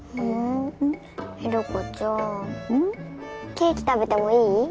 ケーキ食べてもいい？